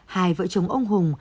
hai vợ chồng ông hùng